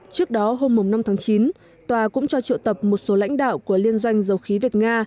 trước đó hôm năm tháng chín tòa cũng cho triệu tập một số lãnh đạo của liên doanh dầu khí việt nga